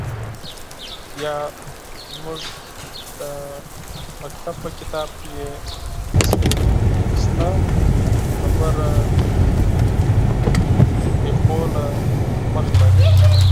_نه، زموږ د مکتب په کتاب کې يې عکس شته. ببره، بدشکله څېره لري.